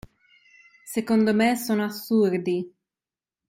Secondo me sono assurdi